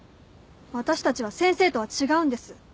私たちは先生とは違うんです。